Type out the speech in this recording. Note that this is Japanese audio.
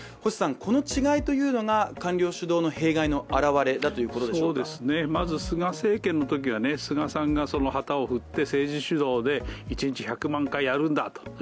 星さんこの違いというのが官僚主導の弊害の表れだということでしょうか菅政権のときはね菅さんがその旗を振って政治主導で１日１００万回やるんだと。